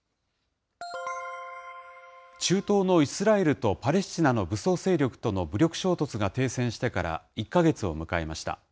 中東のイスラエルとパレスチナの武装勢力との武力衝突が停戦してから１か月を迎えました。